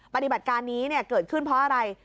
ปฏิบัติการนี้เกิดขึ้นเพราะอะไร